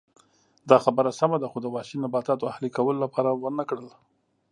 دا خبره سمه ده خو د وحشي نباتاتو اهلي کولو لپاره ونه کړل